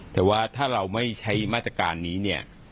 แต่ว่าถ้าเราไม่ใช้มาตรการนี้เนี่ย